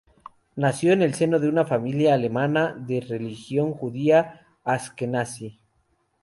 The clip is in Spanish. Nació en el seno de una familia alemana de religión judía askenazí.